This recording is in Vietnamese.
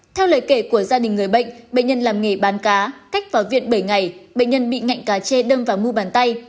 theo lời kể của gia đình người bệnh bệnh nhân làm nghề bán cá cách vào viện bảy ngày bệnh nhân bị ngạnh cá chê đâm vào mu bàn tay